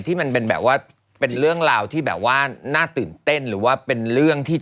นิดหนึ่งนิดหนึ่ง